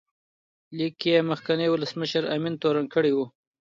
لیک کې یې مخکینی ولسمشر امین تورن کړی و.